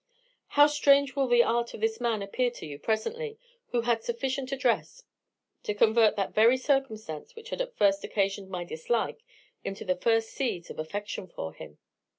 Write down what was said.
"How strange will the art of this man appear to you presently, who had sufficient address to convert that very circumstance which had at first occasioned my dislike into the first seeds of affection for him!